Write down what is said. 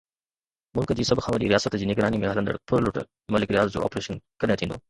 ملڪ جي سڀ کان وڏي رياست جي نگراني ۾ هلندڙ ڦرلٽ ملڪ رياض جو آپريشن ڪڏهن ٿيندو؟